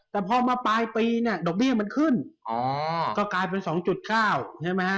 แต่พอมาปลายปีเนี่ยดอกเบี้ยมันขึ้นอ๋อก็กลายเป็น๒๙ใช่ไหมฮะ